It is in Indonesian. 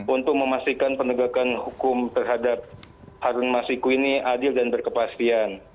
untuk memastikan penegakan hukum terhadap harun masiku ini adil dan berkepastian